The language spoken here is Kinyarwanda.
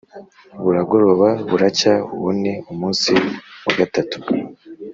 Buragoroba buracya, uwo ni umunsi wa gatatu.